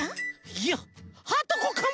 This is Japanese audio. いやはとこかも！？